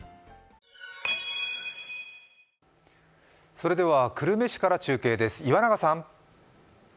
それでは久留米市から中継です。